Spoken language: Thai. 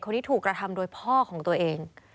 คนนี้ถูกกระทำโดยพ่อของตัวเอง